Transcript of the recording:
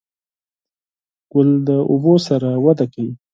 ګل د اوبو سره وده کوي.